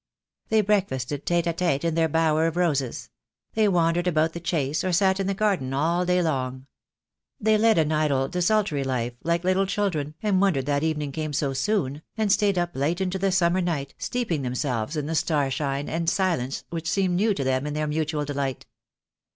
They breakfasted tete a tete in their bower of roses; they wandered about the Chase or sat in the garden all day long. They led an idle desultory life like little children, and wondered that evening came so soon, and stayed up late into the summer night, steeping themselves in the starshine and silence which seemed new to them in their mutual delight.